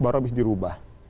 baru habis diubah